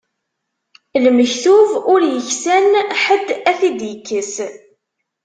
Lmektub, ur iksan ḥedd ad t-id-ikkes.